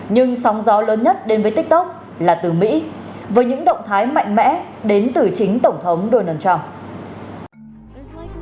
nhưng sóng gió lớn nhất đến với tiktok là từ mỹ với những động thái mạnh mẽ đến từ chính tổng thống donald trump